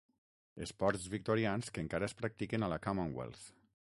Esports victorians que encara es practiquen a la Commonwealth.